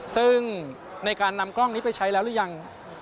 ซึ่งในการนำกล้องนี้ไปใช้แล้วหรือยัง